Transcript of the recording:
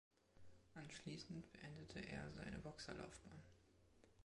Anschließend beendete er seine Boxerlaufbahn.